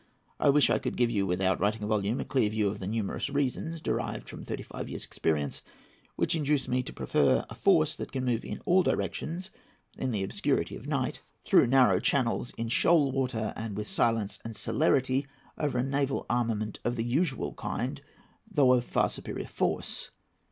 I wish I could give you, without writing a volume, a clear view of the numerous reasons, derived from thirty five years' experience, which induce me to prefer a force that can move in all directions in the obscurity of night through narrow channels, in shoal water, and with silence and celerity, over a naval armament of the usual kind, though of far superior force.